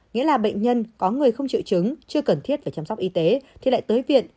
nghĩa là bệnh nhân có người không triệu chứng chưa cần thiết phải chăm sóc y tế thì lại tới viện